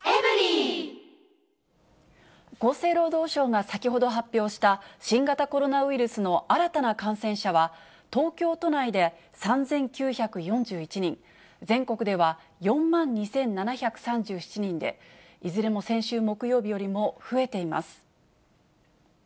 厚生労働省が先ほど発表した新型コロナウイルスの新たな感染者は、東京都内で３９４１人、全国では４万２７３７人で、いずれも先週木曜日よりも増えています。